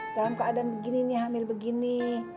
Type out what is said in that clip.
dalam keadaan begini nih hamil begini